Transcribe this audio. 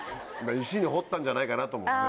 石に彫ったんじゃないかなと思って。